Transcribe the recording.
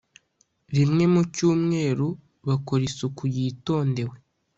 rimwe mu cyumweru bakora isuku yitondewe